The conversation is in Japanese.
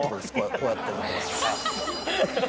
こうやって。